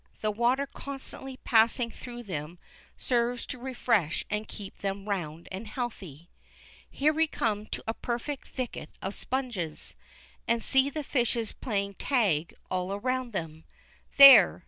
The water constantly passing through them serves to refresh and keep them round and healthy. Here we come to a perfect thicket of sponges, and see the fishes playing "tag" all around and about them. There!